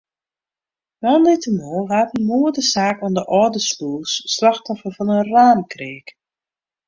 Moandeitemoarn waard in moadesaak oan de Alde Slûs slachtoffer fan in raamkreak.